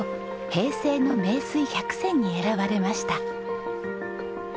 平成の名水百選に選ばれました。